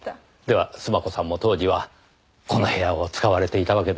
では須磨子さんも当時はこの部屋を使われていたわけですね。